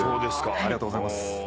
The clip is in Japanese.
ありがとうございます。